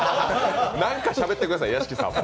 何かしゃべってください、屋敷さんも。